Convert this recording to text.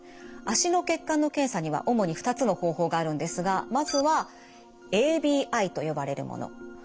脚の血管の検査には主に２つの方法があるんですがまずはＡＢＩと呼ばれるもの。